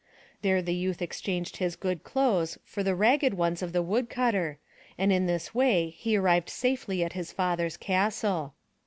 There the youth exchanged his good clothes for the ragged ones of the woodcutter and in this way he arrived safely at his father's castle.